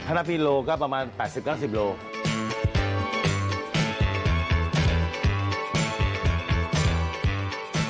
ถ้านัทพิโลก็ประมาณ๘๐๙๐กิโลกรัม